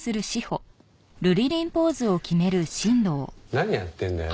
何やってんだよ？